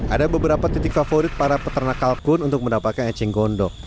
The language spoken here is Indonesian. ada beberapa titik favorit para peternak kalkun untuk mendapatkan eceng gondok